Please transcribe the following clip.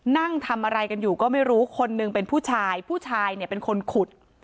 นั่งทำอะไรกันอยู่ก็ไม่รู้คนหนึ่งเป็นผู้ชายผู้ชายเนี่ยเป็นคนขุด